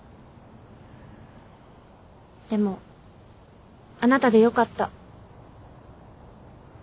でもあなたでよかった。